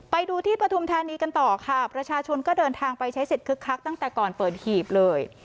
ไปดูที่ปฐุมธานีกันต่อค่ะประชาชนก็เดินทางไปใช้สิทธิคึกคักตั้งแต่ก่อนเปิดหีบเลย